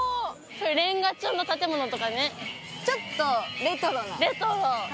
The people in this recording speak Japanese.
レンガ調の建物とかねちょっとレトロな感じレトロ！